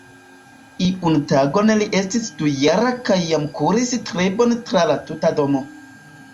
Iun tagon li estis dujara kaj jam kuris tre bone tra la tuta domo.